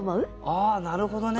ああなるほどね。